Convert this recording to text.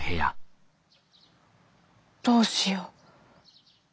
どうしよう。